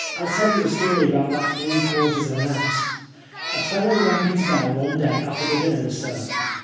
lUl tell you a story about that three quarters of an ounce. A fellow rang his bell one day after the dinner was served.